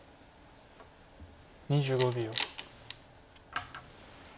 ２５秒。